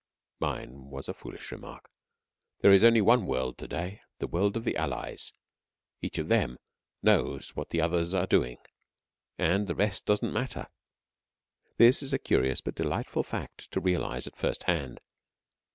Mine was a foolish remark. There is only one world to day, the world of the Allies. Each of them knows what the others are doing and the rest doesn't matter. This is a curious but delightful fact to realize at first hand.